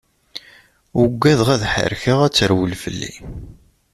Uggadeɣ ad ḥerkeɣ ad terwel fell-i.